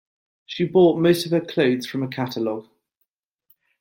She bought most of her clothes from a catalogue